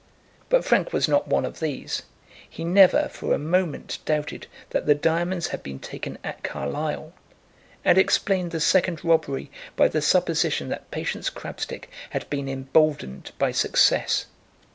But Frank was not one of these. He never for a moment doubted that the diamonds had been taken at Carlisle, and explained the second robbery by the supposition that Patience Crabstick had been emboldened by success.